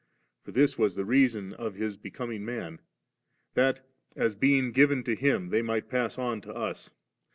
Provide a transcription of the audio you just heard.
For this was the reason of His becoming man, that, as being given to Him, they might pass on to us^.